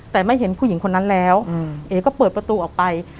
แต่ไม่เห็นผู้หญิงคนนั้นแล้วเอ๋ก็เปิดประตูออกไป